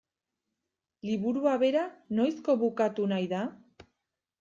Liburua bera noizko bukatu nahi da?